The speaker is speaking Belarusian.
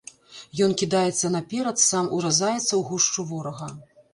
Ён кідаецца наперад, сам уразаецца ў гушчу ворага.